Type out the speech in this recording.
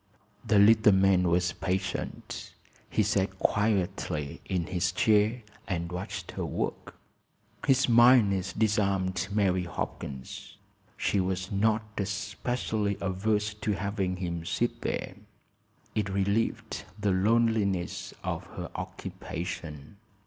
The little man was patient. He sat quietly in his chair and watched her work. His mildness disarmed Mary Hopkins. She was not especially averse to having him sit there. It relieved the loneliness of her occupation.